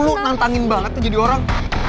lo nantangin banget nih jadi orang